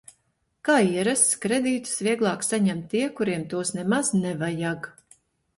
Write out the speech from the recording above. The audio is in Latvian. Kā ierasts, kredītus vieglāk saņem tie, kuriem tos nemaz nevajag.